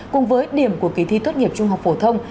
cùng với điểm của ký thi thuất nghiệp trung học phổ thông